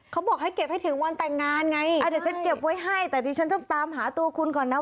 เขาบอกให้เก็บให้ถึงวันแต่งงานไงอ่าเดี๋ยวฉันเก็บไว้ให้แต่ดิฉันต้องตามหาตัวคุณก่อนนะ